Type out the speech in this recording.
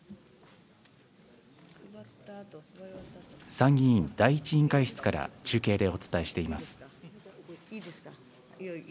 参議院第１委員会室から中継でお伝えしています。